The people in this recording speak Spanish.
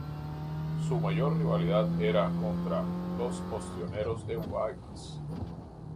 Su mayor rivalidad era contra los Ostioneros de Guaymas.